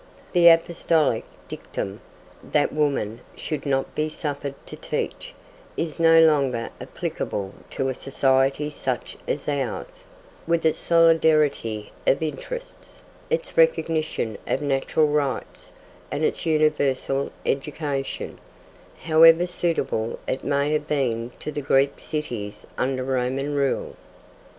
The Apostolic dictum, that women should not be suffered to teach, is no longer applicable to a society such as ours, with its solidarity of interests, its recognition of natural rights, and its universal education, however suitable it may have been to the Greek cities under Roman rule.